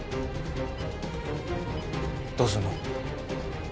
どうすんの？